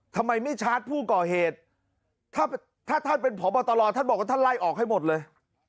ทำไมไม่ชาร์จผู้ก่อเหตุถ้าท่านเป็นพบตรท่านบอกว่าท่านไล่ออกให้หมดเลย